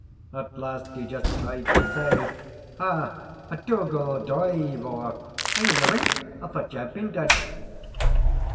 At last he just tried to say, "Ha! Dougal Driveower, are you living? I thought ye had been dead."